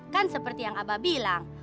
kan seperti yang abah bilang